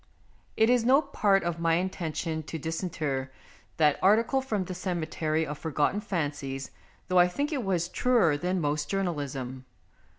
It is no part of my intention to disinter that article from the cemetery of forgotten fancies, though I think it was truer than most jour nalism.